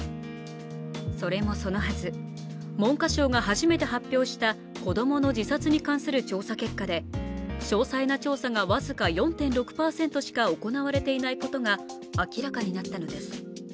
それもそのはず、文科省が初めて発表した子供の自殺に関する調査結果で詳細な調査が僅か４．６％しか行われていないことが明らかになったのです。